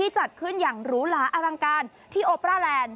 จัดขึ้นอย่างหรูหลาอลังการที่โอปราแลนด์